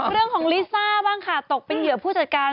เรื่องของลิซ่าบ้างค่ะตกเป็นเหยื่อผู้จัดการ